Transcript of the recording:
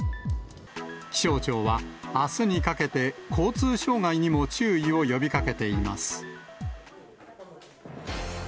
気象庁は、あすにかけて交通障害にも注意を呼びかけています。